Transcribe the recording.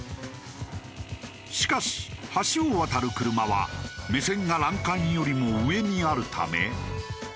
しかし橋を渡る車は目線が欄干よりも上にあるため。